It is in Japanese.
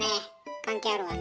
関係あるわね。